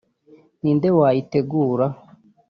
ni nde wayitegura